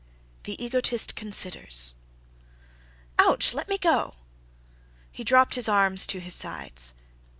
The Egotist Considers "Ouch! Let me go!" He dropped his arms to his sides.